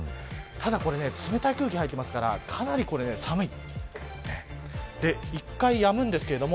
ただ冷たい空気が入ってきますからかなり寒い。